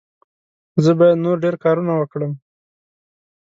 زه باید نور ډېر کارونه وکړم.